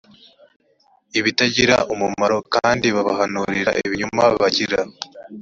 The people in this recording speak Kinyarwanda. ibitagira umumaro s kandi babahanurira ibinyoma bagira